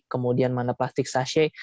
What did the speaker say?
kemudian mana plastik sachet